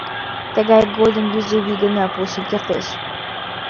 Тыгай годым юзо вий гына полшен кертеш.